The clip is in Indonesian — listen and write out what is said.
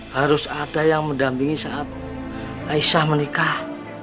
harus ada yang mendampingi saat aisyah menikah